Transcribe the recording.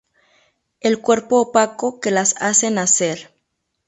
El cuerpo opaco que las hace nacer.